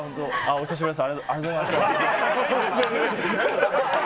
お久しぶりです。